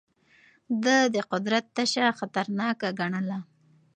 ده د قدرت تشه خطرناکه ګڼله.